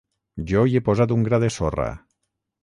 Jo hi he posat un gra de sorra.